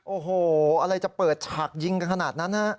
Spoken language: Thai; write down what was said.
โอ้โหอะไรจะเปิดฉากยิงกันขนาดนั้นฮะ